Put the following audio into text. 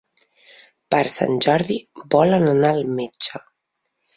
Per Sant Jordi volen anar al metge.